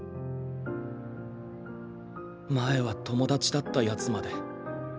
前は友達だったやつまで。